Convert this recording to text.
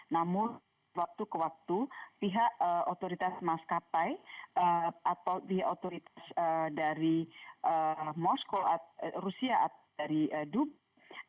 namun waktu ke waktu pihak otoritas maskapai atau pihak otoritas dari moskow rusia dari dubes